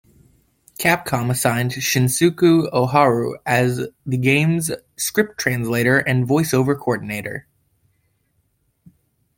Capcom assigned Shinsaku Ohara as the game's script translator and voice over coordinator.